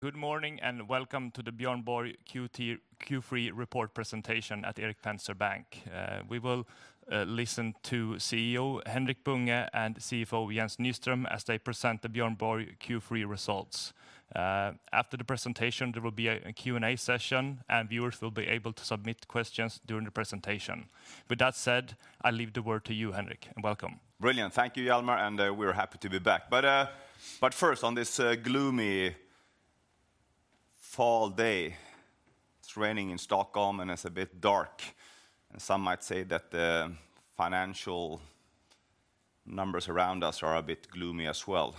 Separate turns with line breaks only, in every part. Good morning and welcome to the Björn Borg Q3 Report presentation at Erik Penser Bank. We will listen to CEO Henrik Bunge and CFO Jens Nyström as they present the Björn Borg Q3 results. After the presentation, there will be a Q&A session, and viewers will be able to submit questions during the presentation. With that said, I leave the word to you, Henrik, and welcome.
Brilliant. Thank you, Hjalmar, and we're happy to be back. But first, on this gloomy fall day, it's raining in Stockholm and it's a bit dark. And some might say that the financial numbers around us are a bit gloomy as well.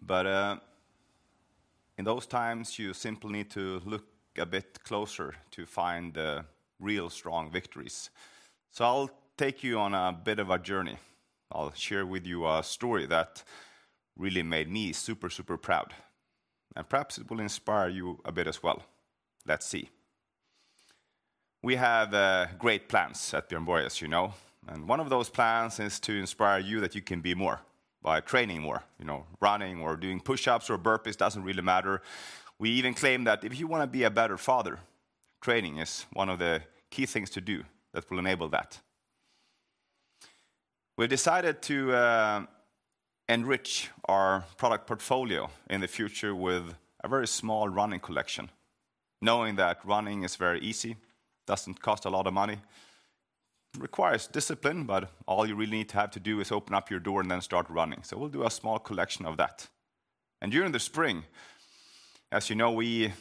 But in those times, you simply need to look a bit closer to find the real strong victories. So I'll take you on a bit of a journey. I'll share with you a story that really made me super, super proud. And perhaps it will inspire you a bit as well. Let's see. We have great plans at Björn Borg, as you know. And one of those plans is to inspire you that you can be more by training more, running or doing push-ups or burpees, doesn't really matter. We even claim that if you want to be a better father, training is one of the key things to do that will enable that. We decided to enrich our product portfolio in the future with a very small running collection, knowing that running is very easy, doesn't cost a lot of money, requires discipline, but all you really need to have to do is open up your door and then start running. So we'll do a small collection of that. And during the spring, as you know, we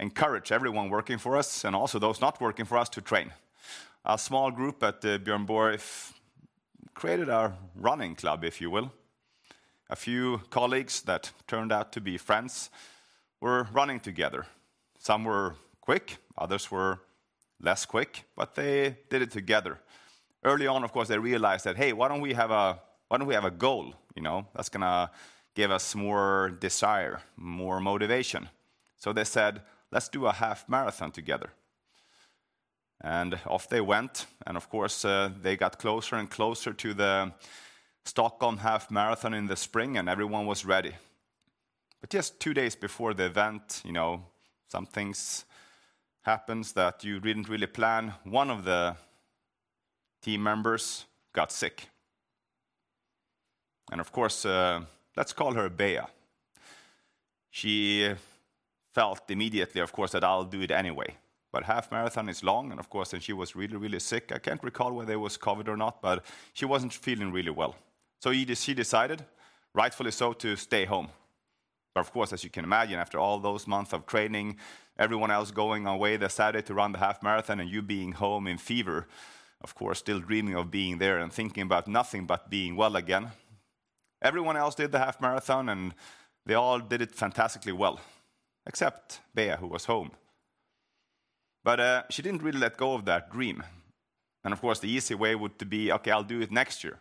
encourage everyone working for us and also those not working for us to train. A small group at Björn Borg created our running club, if you will. A few colleagues that turned out to be friends were running together. Some were quick, others were less quick, but they did it together. Early on, of course, they realized that, hey, why don't we have a goal that's going to give us more desire, more motivation? So they said, let's do a half marathon together and off they went. Of course, they got closer and closer to the Stockholm half marathon in the spring, and everyone was ready. Just two days before the event, something happens that you didn't really plan. One of the team members got sick. Of course, let's call her Bea. She felt immediately, of course, that I'll do it anyway. Half marathon is long. Of course, then she was really, really sick. I can't recall whether it was COVID or not, but she wasn't feeling really well. She decided, rightfully so, to stay home. But of course, as you can imagine, after all those months of training, everyone else going away, they decided to run the half marathon and you being home in fever, of course, still dreaming of being there and thinking about nothing but being well again. Everyone else did the half marathon, and they all did it fantastically well, except Bea, who was home. But she didn't really let go of that dream. And of course, the easy way would be, okay, I'll do it next year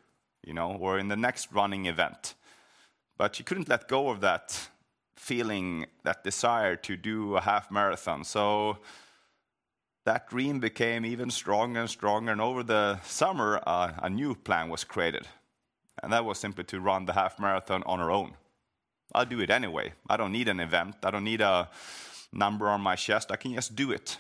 or in the next running event. But she couldn't let go of that feeling, that desire to do a half marathon. So that dream became even stronger and stronger. And over the summer, a new plan was created. And that was simply to run the half marathon on her own. I'll do it anyway. I don't need an event. I don't need a number on my chest. I can just do it.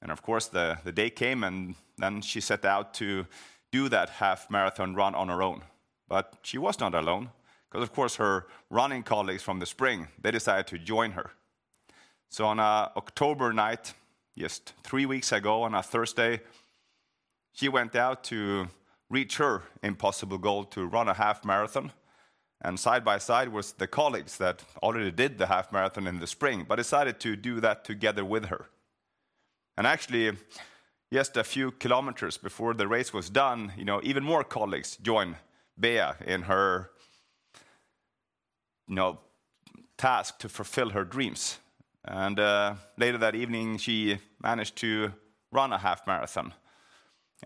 And of course, the day came, and then she set out to do that half marathon run on her own. But she was not alone because, of course, her running colleagues from the spring, they decided to join her. So on an October night, just three weeks ago on a Thursday, she went out to reach her impossible goal to run a half marathon. And side by side were the colleagues that already did the half marathon in the spring, but decided to do that together with her. And actually, just a few kilometers before the race was done, even more colleagues joined Bea in her task to fulfill her dreams. And later that evening, she managed to run a half marathon.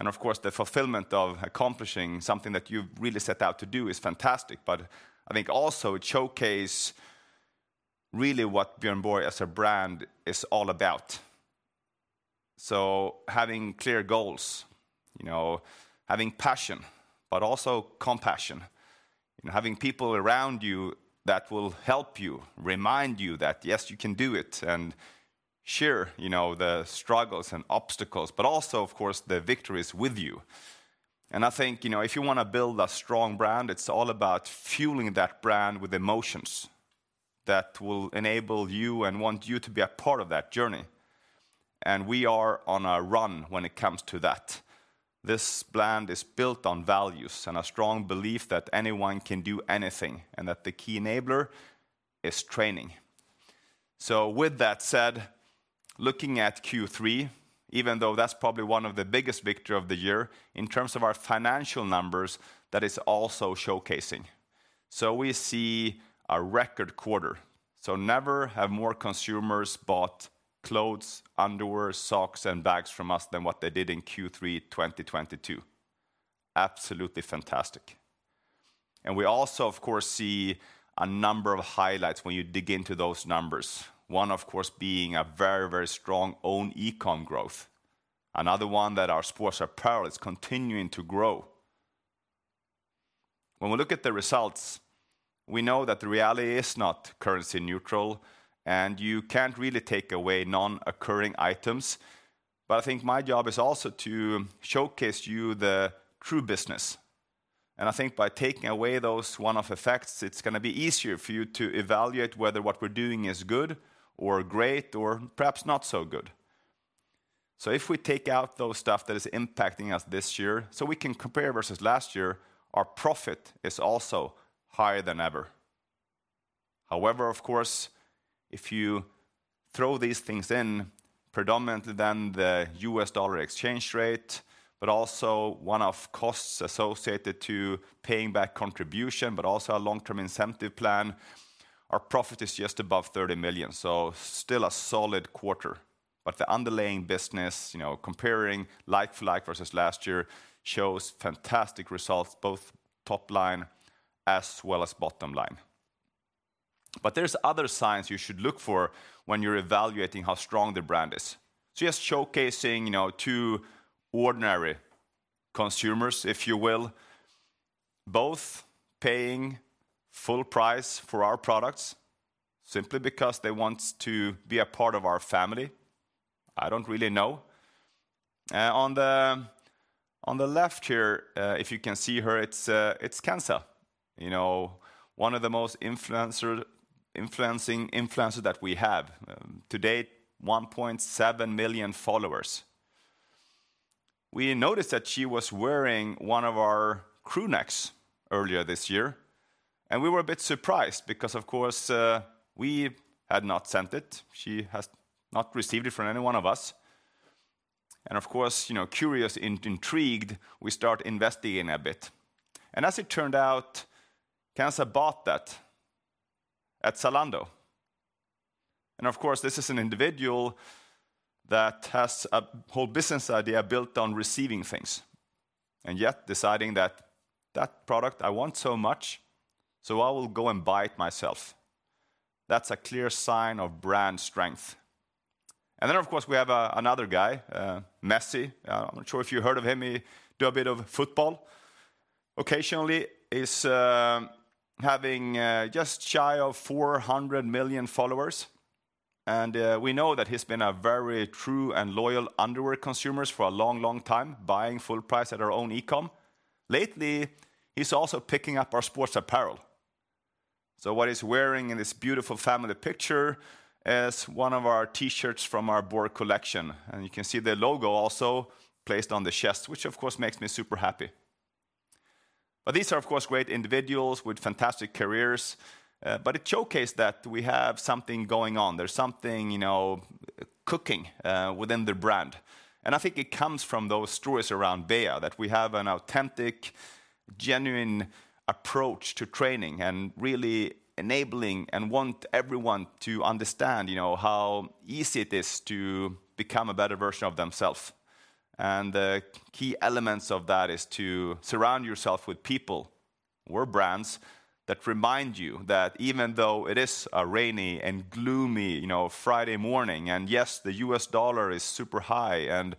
Of course, the fulfillment of accomplishing something that you really set out to do is fantastic. I think also it showcased really what Björn Borg as a brand is all about. Having clear goals, having passion, but also compassion, having people around you that will help you, remind you that, yes, you can do it and share the struggles and obstacles, but also, of course, the victories with you. I think if you want to build a strong brand, it's all about fueling that brand with emotions that will enable you and want you to be a part of that journey. We are on a run when it comes to that. This brand is built on values and a strong belief that anyone can do anything and that the key enabler is training. So with that said, looking at Q3, even though that's probably one of the biggest victories of the year, in terms of our financial numbers, that is also showcasing. So we see a record quarter. So never have more consumers bought clothes, underwear, socks, and bags from us than what they did in Q3 2022. Absolutely fantastic. And we also, of course, see a number of highlights when you dig into those numbers. One, of course, being a very, very strong own e-com growth. Another one that our sports apparel is continuing to grow. When we look at the results, we know that the reality is not currency neutral, and you can't really take away non-recurring items. But I think my job is also to showcase to you the true business. I think by taking away those one-off effects, it's going to be easier for you to evaluate whether what we're doing is good or great or perhaps not so good. So if we take out those stuff that is impacting us this year, so we can compare versus last year, our profit is also higher than ever. However, of course, if you throw these things in, predominantly then the US dollar exchange rate, but also one-off costs associated to paying back contribution, but also a long-term incentive plan, our profit is just above 30 million. So still a solid quarter. But the underlying business, comparing like-for-like versus last year, shows fantastic results, both top line as well as bottom line. But there's other signs you should look for when you're evaluating how strong the brand is. So just showcasing two ordinary consumers, if you will, both paying full price for our products simply because they want to be a part of our family. I don't really know. On the left here, if you can see her, it's Kenza, one of the most influential influencers that we have. To date, 1.7 million followers. We noticed that she was wearing one of our crew necks earlier this year. And we were a bit surprised because, of course, we had not sent it. She has not received it from any one of us. And of course, curious, intrigued, we start investigating a bit. And as it turned out, Kenza bought that at Zalando. And of course, this is an individual that has a whole business idea built on receiving things. And yet deciding that that product I want so much, so I will go and buy it myself. That's a clear sign of brand strength. And then, of course, we have another guy, Messi. I'm not sure if you heard of him. He does a bit of football. Occasionally, he's having just shy of 400 million followers. And we know that he's been a very true and loyal underwear consumer for a long, long time, buying full price at our own ecom. Lately, he's also picking up our sports apparel. So what he's wearing in this beautiful family picture is one of our T-shirts from our Borg collection. And you can see the logo also placed on the chest, which, of course, makes me super happy. But these are, of course, great individuals with fantastic careers. But it showcased that we have something going on. There's something cooking within the brand. And I think it comes from those stories around Bea that we have an authentic, genuine approach to training and really enabling and want everyone to understand how easy it is to become a better version of themselves. And the key elements of that is to surround yourself with people or brands that remind you that even though it is a rainy and gloomy Friday morning, and yes, the US dollar is super high and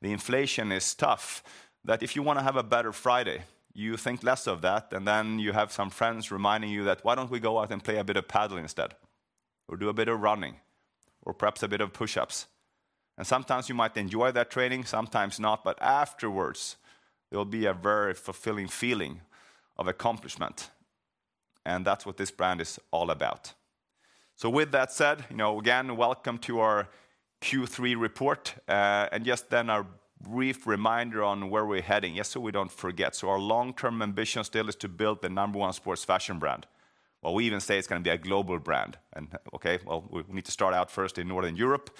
the inflation is tough, that if you want to have a better Friday, you think less of that. And then you have some friends reminding you that, why don't we go out and play a bit of paddle instead or do a bit of running or perhaps a bit of push-ups? And sometimes you might enjoy that training, sometimes not, but afterwards, there will be a very fulfilling feeling of accomplishment. That's what this brand is all about. With that said, again, welcome to our Q3 report. Just then our brief reminder on where we're heading, just so we don't forget. Our long-term ambition still is to build the number one sports fashion brand. We even say it's going to be a global brand. Okay, well, we need to start out first in Northern Europe.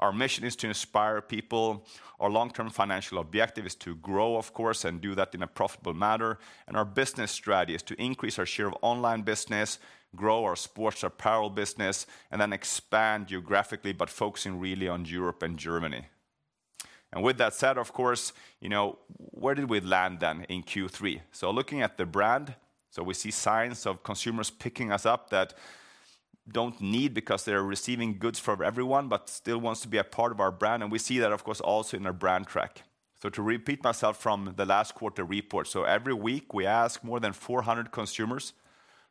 Our mission is to inspire people. Our long-term financial objective is to grow, of course, and do that in a profitable manner. Our business strategy is to increase our share of online business, grow our sports apparel business, and then expand geographically, but focusing really on Europe and Germany. With that said, of course, where did we land then in Q3? Looking at the brand, we see signs of consumers picking us up that don't need because they're receiving goods from everyone, but still wants to be a part of our brand. We see that, of course, also in our brand track. To repeat myself from the last quarter report, every week, we ask more than 400 consumers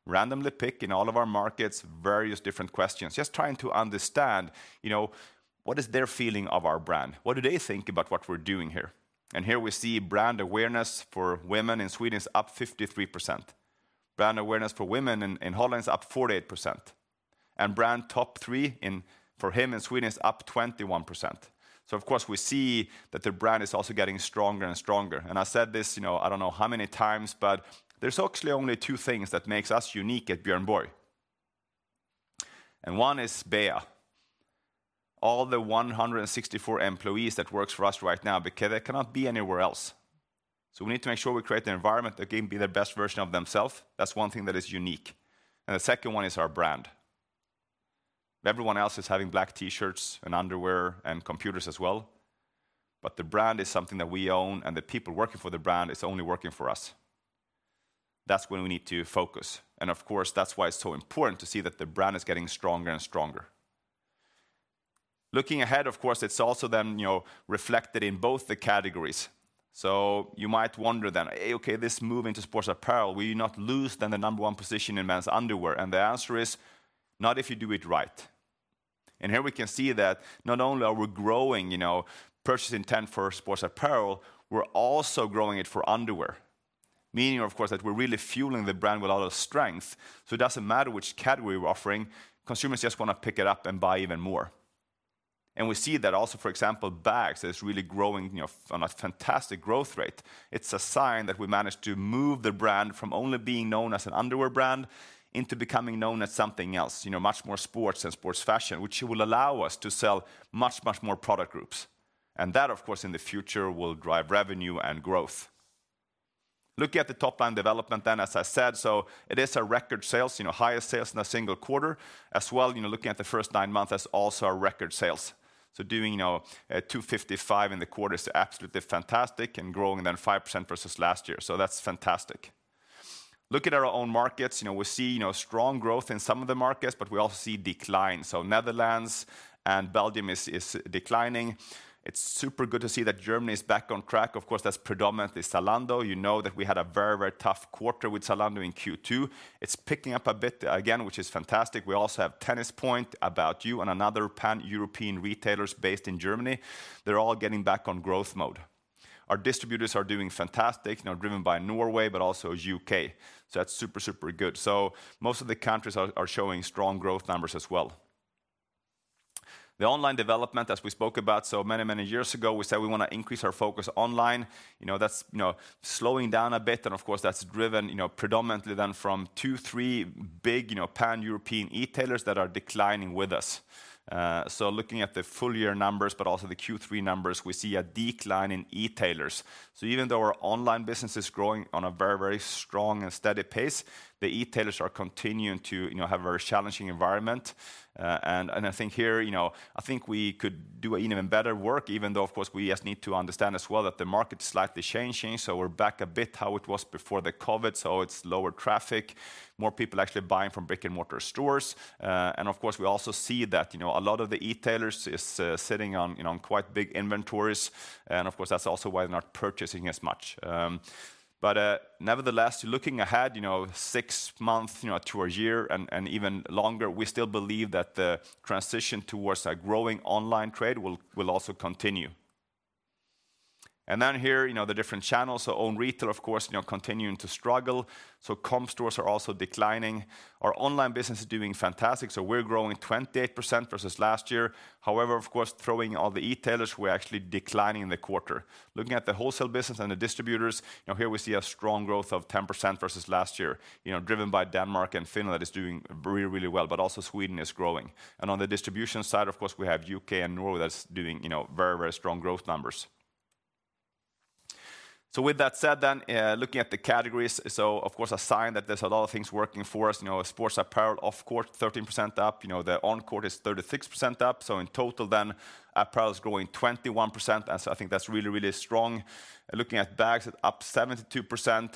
randomly pick in all of our markets various different questions, just trying to understand what is their feeling of our brand? What do they think about what we're doing here? Here we see brand awareness for women in Sweden is up 53%. Brand awareness for women in Holland is up 48%. Brand top three for him in Sweden is up 21%. Of course, we see that the brand is also getting stronger and stronger. And I said this. I don't know how many times, but there's actually only two things that make us unique at Björn Borg. And one is Bea. All the 164 employees that work for us right now, because they cannot be anywhere else. So we need to make sure we create an environment that can be the best version of themselves. That's one thing that is unique. And the second one is our brand. Everyone else is having black T-shirts and underwear and computers as well. But the brand is something that we own, and the people working for the brand is only working for us. That's when we need to focus. And of course, that's why it's so important to see that the brand is getting stronger and stronger. Looking ahead, of course, it's also then reflected in both the categories. You might wonder then, okay, this move into sports apparel, will you not lose then the number one position in men's underwear? The answer is not if you do it right. Here we can see that not only are we growing purchase intent for sports apparel, we're also growing it for underwear, meaning, of course, that we're really fueling the brand with a lot of strength. It doesn't matter which category we're offering. Consumers just want to pick it up and buy even more. We see that also, for example, bags is really growing on a fantastic growth rate. It's a sign that we managed to move the brand from only being known as an underwear brand into becoming known as something else, much more sports and sports fashion, which will allow us to sell much, much more product groups. That, of course, in the future will drive revenue and growth. Looking at the top line development then, as I said, so it is our record sales, highest sales in a single quarter as well. Looking at the first nine months it's also our record sales. So doing 255 in the quarter is absolutely fantastic and growing then 5% versus last year. So that's fantastic. Looking at our own markets, we see strong growth in some of the markets, but we also see decline. So Netherlands and Belgium is declining. It's super good to see that Germany is back on track. Of course, that's predominantly Zalando. You know that we had a very, very tough quarter with Zalando in Q2. It's picking up a bit again, which is fantastic. We also have Tennis-Point, About You, and another pan-European retailers based in Germany. They're all getting back on growth mode. Our distributors are doing fantastic, driven by Norway, but also UK. So that's super, super good. So most of the countries are showing strong growth numbers as well. The online development, as we spoke about, so many, many years ago, we said we want to increase our focus online. That's slowing down a bit. And of course, that's driven predominantly then from two, three big pan-European retailers that are declining with us. So looking at the full year numbers, but also the Q3 numbers, we see a decline in retailers. So even though our online business is growing on a very, very strong and steady pace, the retailers are continuing to have a very challenging environment. I think here, I think we could do an even better work, even though, of course, we just need to understand as well that the market is slightly changing. We're back a bit how it was before the COVID. It's lower traffic, more people actually buying from brick-and-mortar stores. Of course, we also see that a lot of the retailers are sitting on quite big inventories. Of course, that's also why they're not purchasing as much. Nevertheless, looking ahead, six months to a year and even longer, we still believe that the transition towards a growing online trade will also continue. Then here, the different channels. Own retail, of course, continuing to struggle. E-com stores are also declining. Our online business is doing fantastic. We're growing 28% versus last year. However, of course, through all the retailers, we're actually declining in the quarter. Looking at the wholesale business and the distributors, here we see a strong growth of 10% versus last year, driven by Denmark and Finland that is doing really, really well, but also Sweden is growing. And on the distribution side, of course, we have UK and Norway that's doing very, very strong growth numbers. So with that said then, looking at the categories, so of course, a sign that there's a lot of things working for us. Sports apparel, of course, 13% up. The on court is 36% up. So in total then, apparel is growing 21%. And so I think that's really, really strong. Looking at bags, up 72%.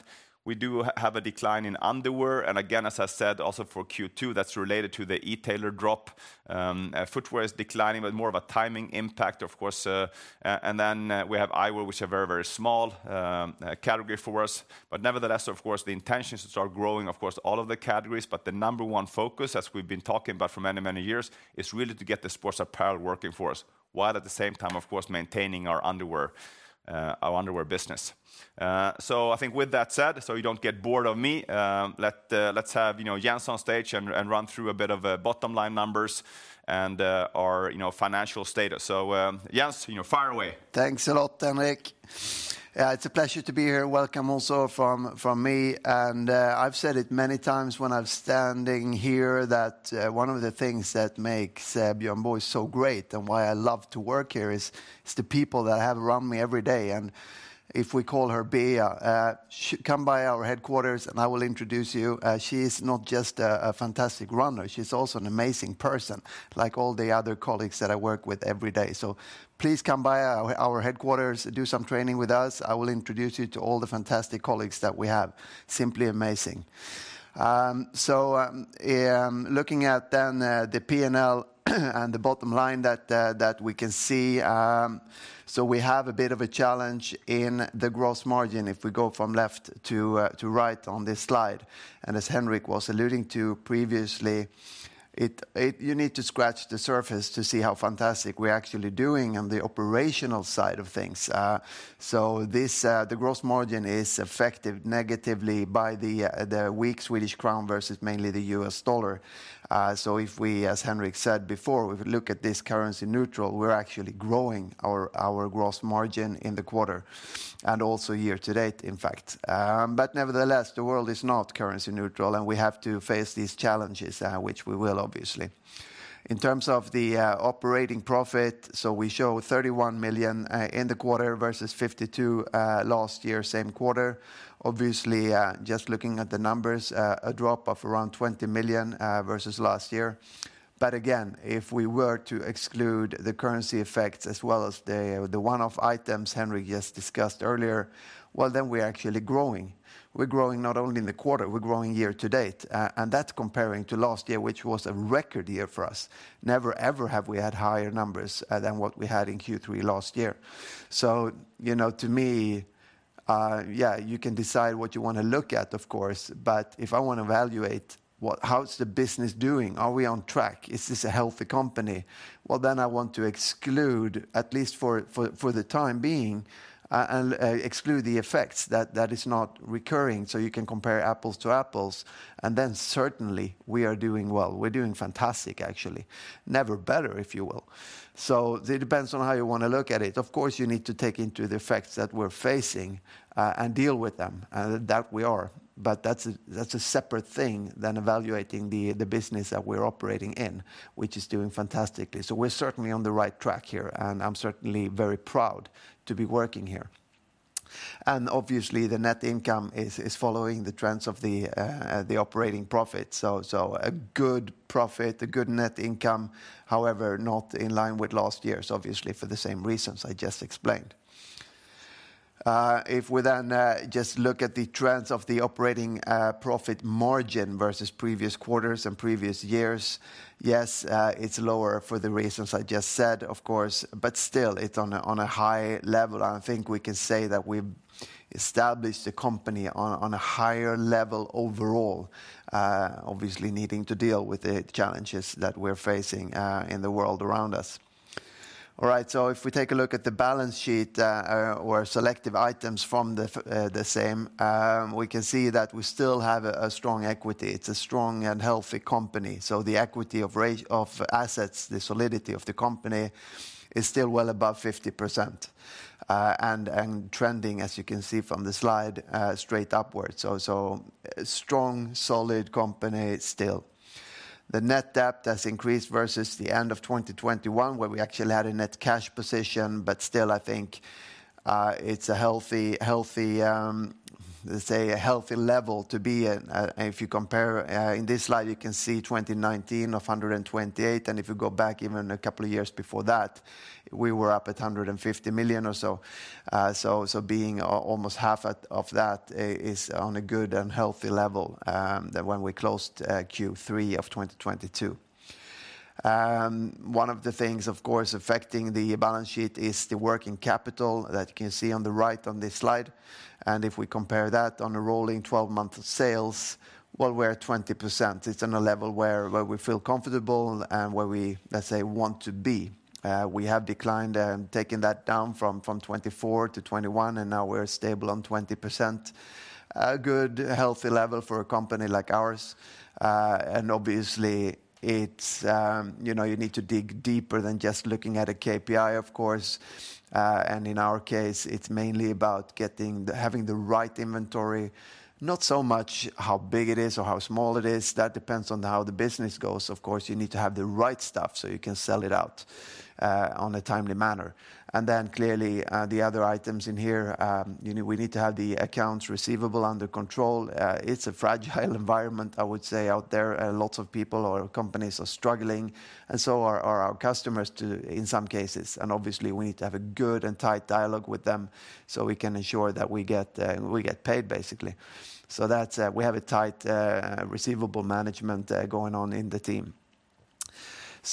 We do have a decline in underwear. And again, as I said, also for Q2, that's related to the retailer drop. Footwear is declining, but more of a timing impact, of course, and then we have eyewear, which is a very, very small category for us, but nevertheless, of course, the intention is to start growing, of course, all of the categories, but the number one focus, as we've been talking about for many, many years, is really to get the sports apparel working for us, while at the same time, of course, maintaining our underwear business, so I think with that said, so you don't get bored of me, let's have Jens on stage and run through a bit of bottom line numbers and our financial status, so Jens, fire away. Thanks a lot, Henrik. Yeah, it's a pleasure to be here. Welcome also from me. I've said it many times when I'm standing here that one of the things that makes Björn Borg so great and why I love to work here is the people that I have around me every day. If we call her Bea, come by our headquarters and I will introduce you. She is not just a fantastic runner. She's also an amazing person, like all the other colleagues that I work with every day. Please come by our headquarters, do some training with us. I will introduce you to all the fantastic colleagues that we have. Simply amazing. Looking at then the P&L and the bottom line that we can see, so we have a bit of a challenge in the gross margin if we go from left to right on this slide. As Henrik was alluding to previously, you need to scratch the surface to see how fantastic we're actually doing on the operational side of things. So the gross margin is affected negatively by the weak Swedish crown versus mainly the US dollar. So if we, as Henrik said before, if we look at this currency neutral, we're actually growing our gross margin in the quarter and also year to date, in fact. But nevertheless, the world is not currency neutral and we have to face these challenges, which we will obviously. In terms of the operating profit, so we show 31 million in the quarter versus 52 million last year, same quarter. Obviously, just looking at the numbers, a drop of around 20 million versus last year. But again, if we were to exclude the currency effects as well as the one-off items Henrik just discussed earlier, well then we're actually growing. We're growing not only in the quarter, we're growing year to date. And that's comparing to last year, which was a record year for us. Never, ever have we had higher numbers than what we had in Q3 last year. So to me, yeah, you can decide what you want to look at, of course. But if I want to evaluate how's the business doing, are we on track, is this a healthy company? Well then I want to exclude, at least for the time being, and exclude the effects that is not recurring. So you can compare apples to apples. And then certainly we are doing well. We're doing fantastic, actually. Never better, if you will. So it depends on how you want to look at it. Of course, you need to take into the effects that we're facing and deal with them. And that we are. But that's a separate thing than evaluating the business that we're operating in, which is doing fantastically. So we're certainly on the right track here. And I'm certainly very proud to be working here. And obviously, the net income is following the trends of the operating profit. So a good profit, a good net income, however, not in line with last year's, obviously, for the same reasons I just explained. If we then just look at the trends of the operating profit margin versus previous quarters and previous years, yes, it's lower for the reasons I just said, of course. But still, it's on a high level. I think we can say that we've established the company on a higher level overall, obviously needing to deal with the challenges that we're facing in the world around us. All right, so if we take a look at the balance sheet or selective items from the same, we can see that we still have a strong equity. It's a strong and healthy company. So the equity of assets, the solidity of the company is still well above 50%, and trending, as you can see from the slide, straight upwards, so strong, solid company still. The net debt has increased versus the end of 2021, where we actually had a net cash position, but still, I think it's a healthy, let's say, a healthy level to be in. If you compare, in this slide, you can see 2019 of 128. If you go back even a couple of years before that, we were up at 150 million or so. Being almost half of that is on a good and healthy level when we closed Q3 of 2022. One of the things, of course, affecting the balance sheet is the working capital that you can see on the right on this slide. If we compare that on a rolling 12-month sales, well, we're at 20%. It's on a level where we feel comfortable and where we, let's say, want to be. We have declined and taken that down from 24% to 21%, and now we're stable on 20%. A good, healthy level for a company like ours. Obviously, you need to dig deeper than just looking at a KPI, of course. In our case, it's mainly about having the right inventory, not so much how big it is or how small it is. That depends on how the business goes. Of course, you need to have the right stuff so you can sell it out on a timely manner. Clearly, the other items in here, we need to have the accounts receivable under control. It's a fragile environment, I would say, out there. Lots of people or companies are struggling, and so are our customers in some cases. Obviously, we need to have a good and tight dialogue with them so we can ensure that we get paid, basically. We have a tight receivable management going on in the team.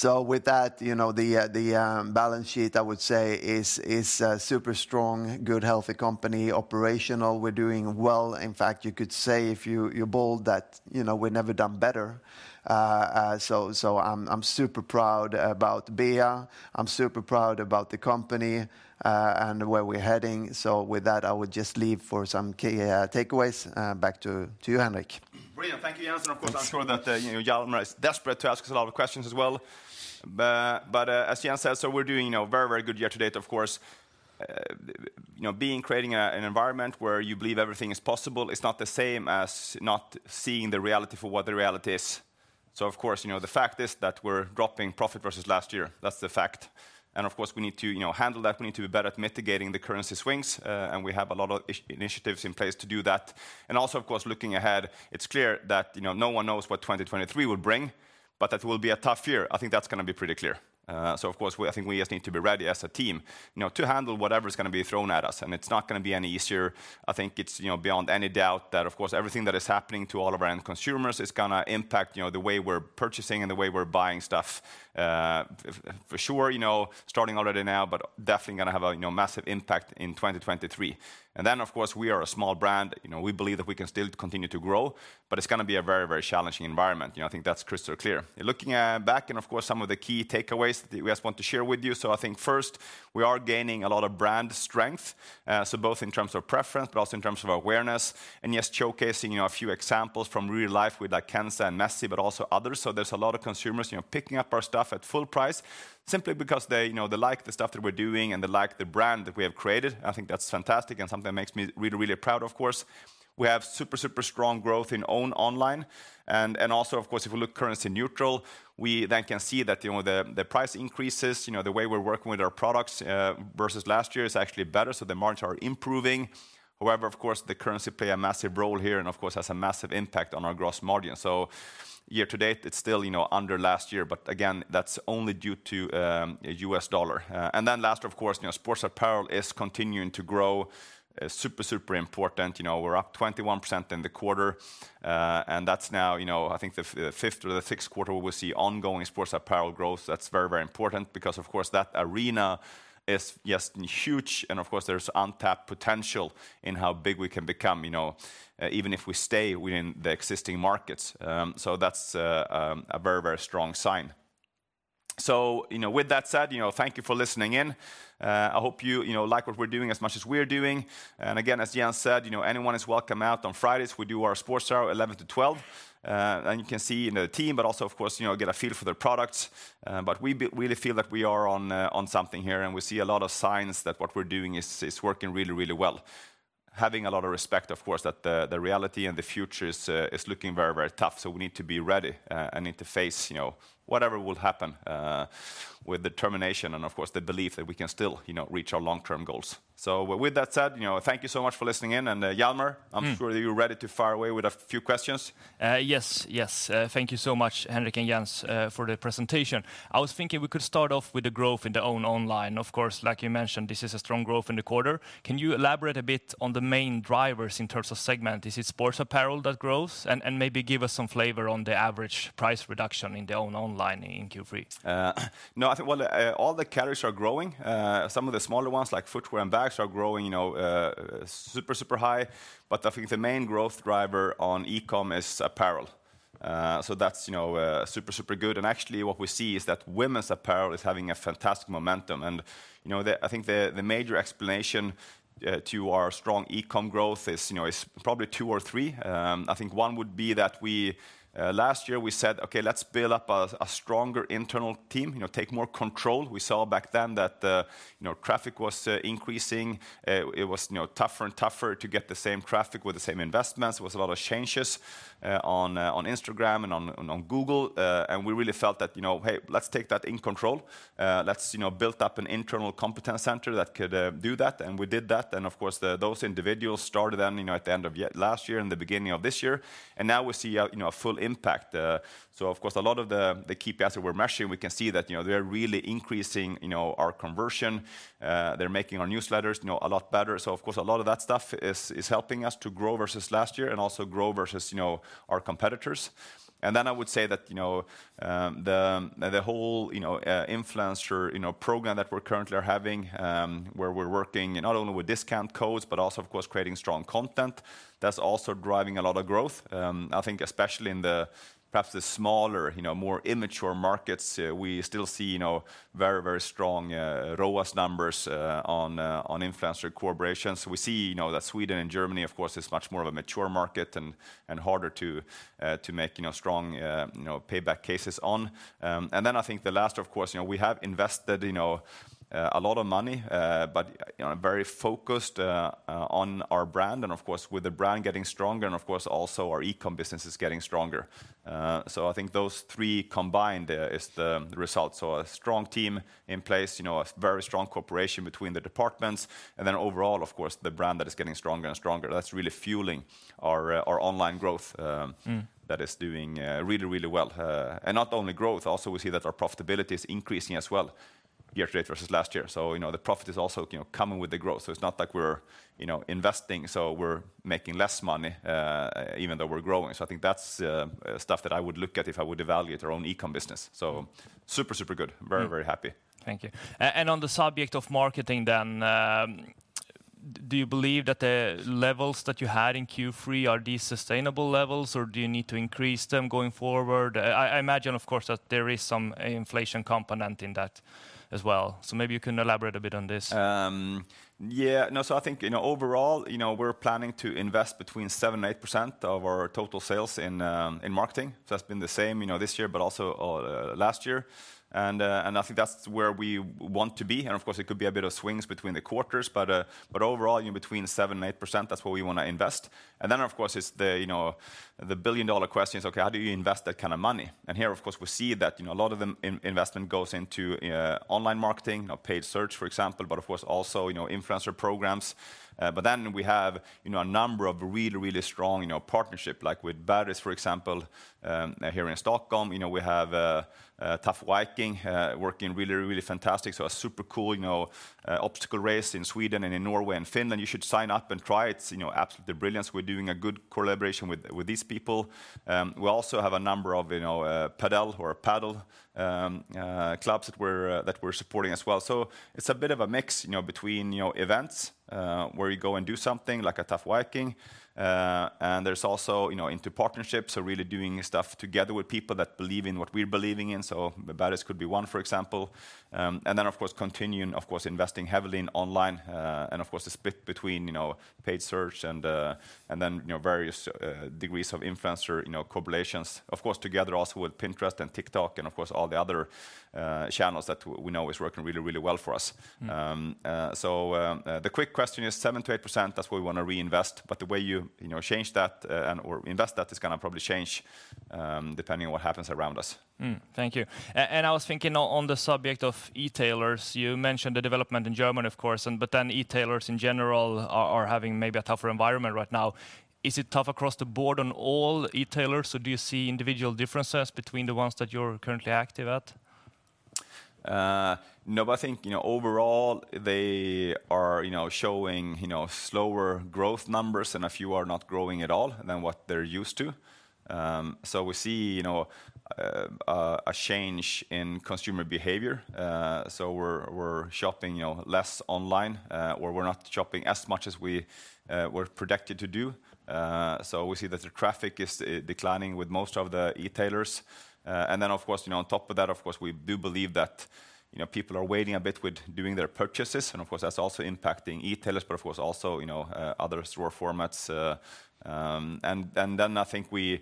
With that, the balance sheet, I would say, is super strong, good, healthy company, operational. We're doing well. In fact, you could say, if you're bold, that we've never done better, so I'm super proud about Bea. I'm super proud about the company and where we're heading, so with that, I would just leave for some takeaways. Back to you, Henrik. Brilliant. Thank you, Jens, and of course, I'm sure that Hjalmar is desperate to ask us a lot of questions as well, but as Jens said, so we're doing a very, very good year to date, of course. Being creating an environment where you believe everything is possible is not the same as not seeing the reality for what the reality is, so of course, the fact is that we're dropping profit versus last year. That's the fact, and of course, we need to handle that. We need to be better at mitigating the currency swings. And we have a lot of initiatives in place to do that. And also, of course, looking ahead, it's clear that no one knows what 2023 will bring, but that it will be a tough year. I think that's going to be pretty clear. So of course, I think we just need to be ready as a team to handle whatever is going to be thrown at us. And it's not going to be any easier. I think it's beyond any doubt that, of course, everything that is happening to all of our end consumers is going to impact the way we're purchasing and the way we're buying stuff. For sure, starting already now, but definitely going to have a massive impact in 2023. And then, of course, we are a small brand. We believe that we can still continue to grow, but it's going to be a very, very challenging environment. I think that's crystal clear. Looking back and, of course, some of the key takeaways that we just want to share with you. So I think first, we are gaining a lot of brand strength, so both in terms of preference, but also in terms of awareness, and yes, showcasing a few examples from real life with Kenza and Messi, but also others, so there's a lot of consumers picking up our stuff at full price simply because they like the stuff that we're doing and they like the brand that we have created. I think that's fantastic and something that makes me really, really proud, of course. We have super, super strong growth in own online. Also, of course, if we look currency neutral, we then can see that the price increases, the way we're working with our products versus last year is actually better. So the margins are improving. However, of course, the currency plays a massive role here and, of course, has a massive impact on our gross margin. So year to date, it's still under last year. But again, that's only due to the U.S. dollar. And then last, of course, sports apparel is continuing to grow. Super, super important. We're up 21% in the quarter. And that's now, I think, the fifth or the sixth quarter we will see ongoing sports apparel growth. That's very, very important because, of course, that arena is just huge. And of course, there's untapped potential in how big we can become, even if we stay within the existing markets. So that's a very, very strong sign. So with that said, thank you for listening in. I hope you like what we're doing as much as we're doing. And again, as Jens said, anyone is welcome out on Fridays. We do our sports hour 11 to 12. And you can see the team, but also, of course, get a feel for their products. But we really feel that we are on something here and we see a lot of signs that what we're doing is working really, really well. Having a lot of respect, of course, that the reality and the future is looking very, very tough. So we need to be ready and need to face whatever will happen with determination and, of course, the belief that we can still reach our long-term goals. So with that said, thank you so much for listening in. Jelmer, I'm sure you're ready to fire away with a few questions. Yes, yes. Thank you so much, Henrik and Jens, for the presentation. I was thinking we could start off with the growth in the own online. Of course, like you mentioned, this is a strong growth in the quarter. Can you elaborate a bit on the main drivers in terms of segment? Is it sports apparel that grows? And maybe give us some flavor on the average price reduction in the own online in Q3? No, I think all the categories are growing. Some of the smaller ones, like footwear and bags, are growing super, super high. But I think the main growth driver on e-commerce is apparel. So that's super, super good. Actually, what we see is that women's apparel is having a fantastic momentum. I think the major explanation to our strong e-com growth is probably two or three. I think one would be that last year we said, okay, let's build up a stronger internal team, take more control. We saw back then that traffic was increasing. It was tougher and tougher to get the same traffic with the same investments. There was a lot of changes on Instagram and on Google. We really felt that, hey, let's take that in control. Let's build up an internal competence center that could do that. We did that. Of course, those individuals started then at the end of last year and the beginning of this year. Now we see a full impact. Of course, a lot of the key paid search marketing, we can see that they're really increasing our conversion. They're making our newsletters a lot better. So of course, a lot of that stuff is helping us to grow versus last year and also grow versus our competitors. And then I would say that the whole influencer program that we're currently having, where we're working not only with discount codes, but also, of course, creating strong content, that's also driving a lot of growth. I think especially in perhaps the smaller, more immature markets, we still see very, very strong ROAS numbers on influencer collaborations. We see that Sweden and Germany, of course, is much more of a mature market and harder to make strong payback cases on. And then I think the last, of course, we have invested a lot of money, but very focused on our brand. And of course, with the brand getting stronger and of course, also our e-com business is getting stronger. So I think those three combined is the result. A strong team in place, a very strong cooperation between the departments. And then overall, of course, the brand that is getting stronger and stronger. That's really fueling our online growth that is doing really, really well. And not only growth, also we see that our profitability is increasing as well year to date versus last year. The profit is also coming with the growth. It's not like we're investing, so we're making less money even though we're growing. I think that's stuff that I would look at if I would evaluate our own e-com business. Super, super good. Very, very happy. Thank you. On the subject of marketing then, do you believe that the levels that you had in Q3 are these sustainable levels, or do you need to increase them going forward? I imagine, of course, that there is some inflation component in that as well. So maybe you can elaborate a bit on this. Yeah. No, so I think overall, we're planning to invest between 7% and 8% of our total sales in marketing. So that's been the same this year, but also last year. And I think that's where we want to be. And of course, it could be a bit of swings between the quarters, but overall, between 7% and 8%, that's where we want to invest. And then, of course, it's the billion-dollar question is, okay, how do you invest that kind of money? And here, of course, we see that a lot of the investment goes into online marketing, paid search, for example, but of course, also influencer programs. But then we have a number of really, really strong partnerships, like with Barry's, for example, here in Stockholm. We have Tough Viking working really, really fantastic. So a super cool obstacle race in Sweden and in Norway and Finland. You should sign up and try it. It's absolutely brilliant. We're doing a good collaboration with these people. We also have a number of padel or paddle clubs that we're supporting as well. So it's a bit of a mix between events where you go and do something like a Tough Viking. And there's also into partnerships, so really doing stuff together with people that believe in what we're believing in. So Barry's could be one, for example. And then, of course, continuing, of course, investing heavily in online. And of course, the split between paid search and then various degrees of influencer correlations, of course, together also with Pinterest and TikTok and, of course, all the other channels that we know is working really, really well for us. So the quick question is 7%-8%, that's what we want to reinvest. But the way you change that or invest that is going to probably change depending on what happens around us. Thank you. And I was thinking on the subject of e-tailers, you mentioned the development in Germany, of course, but then e-tailers in general are having maybe a tougher environment right now. Is it tough across the board on all e-tailers? So do you see individual differences between the ones that you're currently active at? No, but I think overall, they are showing slower growth numbers and a few are not growing at all than what they're used to. So we see a change in consumer behavior. So we're shopping less online or we're not shopping as much as we were predicted to do. So we see that the traffic is declining with most of the e-tailers. And then, of course, on top of that, of course, we do believe that people are waiting a bit with doing their purchases. And of course, that's also impacting e-tailers, but of course, also other store formats. And then I think we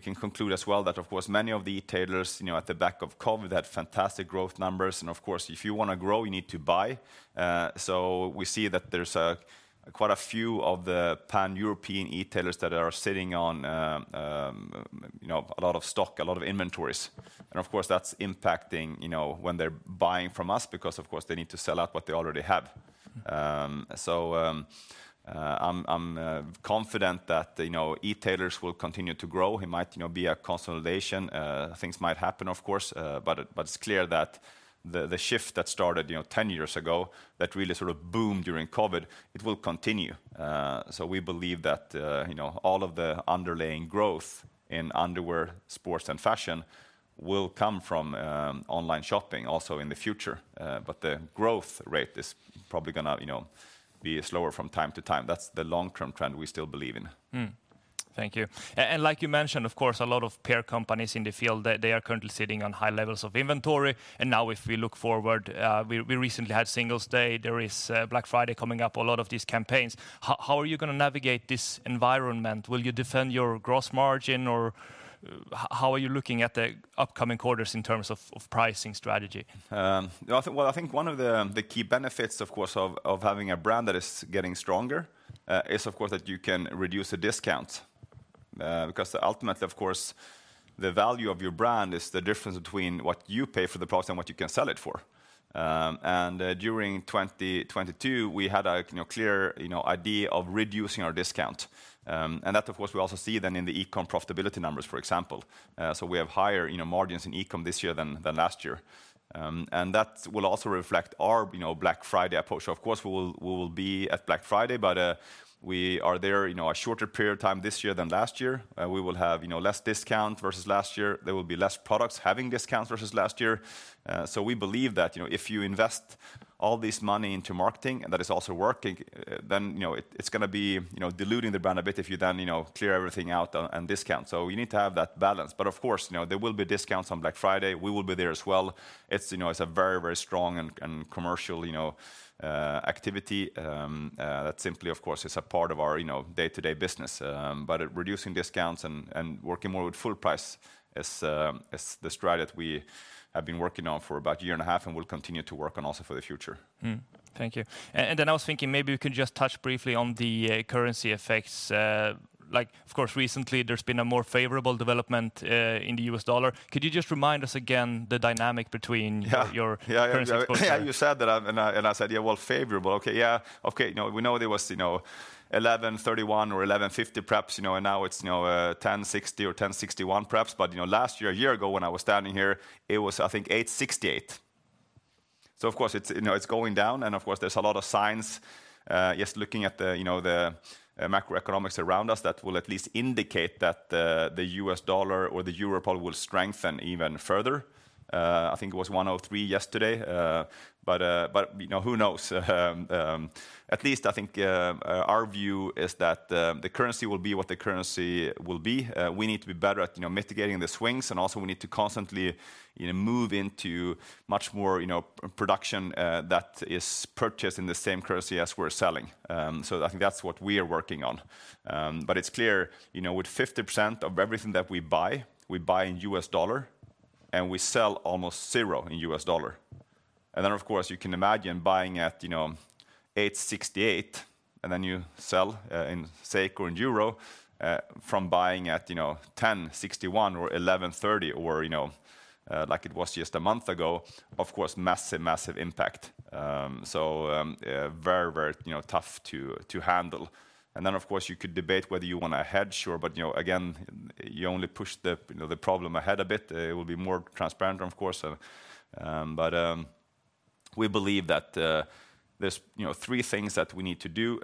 can conclude as well that, of course, many of the e-tailers in the wake of COVID had fantastic growth numbers. And of course, if you want to grow, you need to buy. So we see that there's quite a few of the pan-European e-tailers that are sitting on a lot of stock, a lot of inventories. And of course, that's impacting when they're buying from us because, of course, they need to sell out what they already have. So I'm confident that e-tailers will continue to grow. It might be a consolidation. Things might happen, of course. But it's clear that the shift that started 10 years ago that really sort of boomed during COVID, it will continue. So we believe that all of the underlying growth in underwear, sports, and fashion will come from online shopping also in the future. But the growth rate is probably going to be slower from time to time. That's the long-term trend we still believe in. Thank you. Like you mentioned, of course, a lot of peer companies in the field, they are currently sitting on high levels of inventory. Now if we look forward, we recently had Singles' Day. There is Black Friday coming up, a lot of these campaigns. How are you going to navigate this environment? Will you defend your gross margin or how are you looking at the upcoming quarters in terms of pricing strategy? I think one of the key benefits, of course, of having a brand that is getting stronger is, of course, that you can reduce the discounts. Because ultimately, of course, the value of your brand is the difference between what you pay for the product and what you can sell it for. And during 2022, we had a clear idea of reducing our discounts. And that, of course, we also see then in the e-com profitability numbers, for example. So we have higher margins in e-com this year than last year. And that will also reflect our Black Friday approach. Of course, we will be at Black Friday, but we are there a shorter period of time this year than last year. We will have less discounts versus last year. There will be less products having discounts versus last year. So we believe that if you invest all this money into marketing and that is also working, then it's going to be diluting the brand a bit if you then clear everything out and discount. So you need to have that balance. But of course, there will be discounts on Black Friday. We will be there as well. It's a very, very strong and commercial activity that simply, of course, is a part of our day-to-day business. But reducing discounts and working more with full price is the stride that we have been working on for about a year and a half and will continue to work on also for the future. Thank you. And then I was thinking maybe we could just touch briefly on the currency effects. Like, of course, recently there's been a more favorable development in the US dollar. Could you just remind us again the dynamic between your currency exposure? Yeah, you said that and I said, yeah, well, favorable. Okay, yeah. Okay, we know there was 1131 or 1150 perhaps, and now it's 1060 or 1061 perhaps. But last year, a year ago when I was standing here, it was, I think, 868. So of course, it's going down. Of course, there's a lot of signs, just looking at the macroeconomics around us, that will at least indicate that the US dollar or the euro probably will strengthen even further. I think it was 103 yesterday. But who knows? At least I think our view is that the currency will be what the currency will be. We need to be better at mitigating the swings. And also we need to constantly move into much more production that is purchased in the same currency as we're selling. So I think that's what we are working on. But it's clear with 50% of everything that we buy, we buy in US dollar and we sell almost zero in US dollar. And then, of course, you can imagine buying at 868 and then you sell in SEK or in euro from buying at 1061 or 1130 or like it was just a month ago, of course, massive, massive impact. So very, very tough to handle. And then, of course, you could debate whether you want to hedge, but again, you only push the problem ahead a bit. It will be more transparent, of course. But we believe that there's three things that we need to do.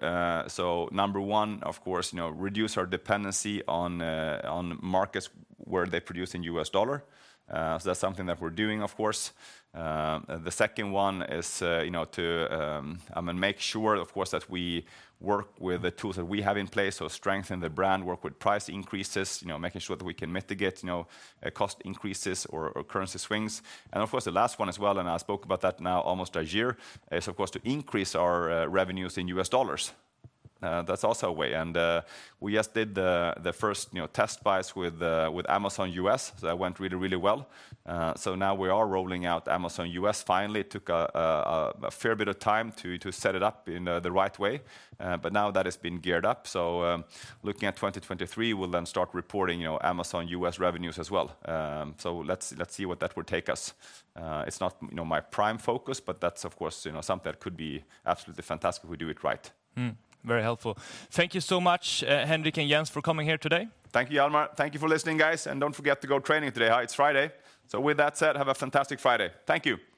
So number one, of course, reduce our dependency on markets where they produce in US dollar. So that's something that we're doing, of course. The second one is to make sure, of course, that we work with the tools that we have in place to strengthen the brand, work with price increases, making sure that we can mitigate cost increases or currency swings. And of course, the last one as well, and I spoke about that now almost a year, is, of course, to increase our revenues in US dollars. That's also a way. And we just did the first test buy with Amazon US. So that went really, really well. So now we are rolling out Amazon US. Finally, it took a fair bit of time to set it up in the right way. But now that has been geared up. So looking at 2023, we'll then start reporting Amazon US revenues as well. So let's see what that will take us. It's not my prime focus, but that's, of course, something that could be absolutely fantastic if we do it right. Very helpful. Thank you so much, Henrik and Jens, for coming here today. Thank you, Hjalmar. Thank you for listening, guys. And don't forget to go training today. It's Friday. So with that said, have a fantastic Friday. Thank you.